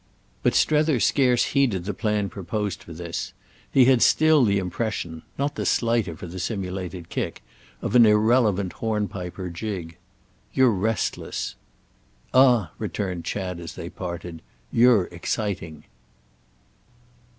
But Strether scarce heeded the plan proposed for this; he had still the impression—not the slighter for the simulated kick—of an irrelevant hornpipe or jig. "You're restless." "Ah," returned Chad as they parted, "you're exciting."